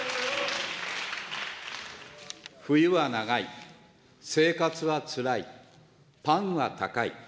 冬は長い、生活はつらい、パンは高い。